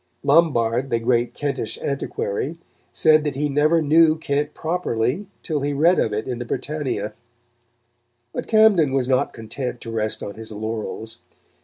Lombard, the great Kentish antiquary, said that he never knew Kent properly, till he read of it in the Britannia. But Camden was not content to rest on his laurels.